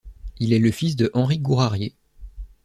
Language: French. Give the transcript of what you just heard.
Il est le fils de Henri Gourarier.